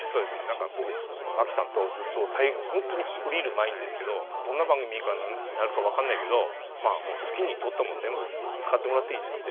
何か僕この槇さんとずっと最後本当に下りる前にですけど「どんな番組になるか分かんないけど好きに撮っても全部使ってもらっていいです。